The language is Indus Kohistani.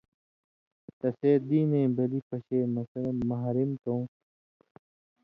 تسے دینی بلی پشے مثلاً محرم کؤں تُھو